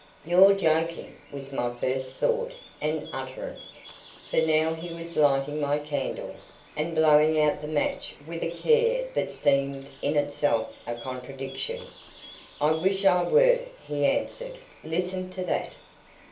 "You're joking," was my first thought and utterance; for now he was lighting my candle, and blowing out the match with a care that seemed in itself a contradiction. "I wish I were," he answered. "Listen to that!"